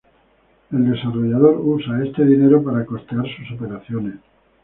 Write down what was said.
El desarrollador usa este dinero para costear sus operaciones.